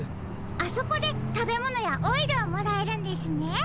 あそこでたべものやオイルをもらえるんですね。